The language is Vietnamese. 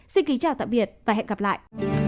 xin kính chào và hẹn gặp lại